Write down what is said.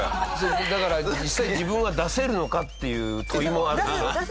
だから実際自分は出せるのかっていう問いもある。